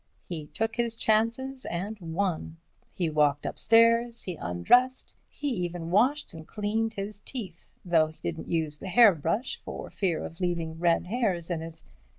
He took his chances, and won. He walked upstairs, he undressed, he even washed and cleaned his teeth, though he didn't use the hairbrush for fear of leaving red hairs in it.